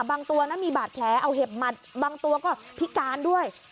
ตัวนั้นมีบาดแผลเอาเห็บหมัดบางตัวก็พิการด้วย